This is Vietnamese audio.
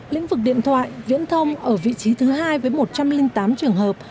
lĩnh vực điện thoại viễn thông ở vị trí thứ hai với một trăm linh tám trường hợp